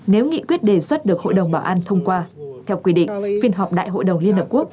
nếu nghị quyết đề xuất được hội đồng bảo an thông qua theo quy định phiên họp đại hội đồng liên hợp quốc